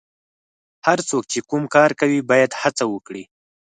هر څوک چې کوم کار کوي باید هڅه وکړي.